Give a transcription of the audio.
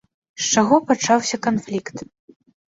З чаго пачаўся канфлікт?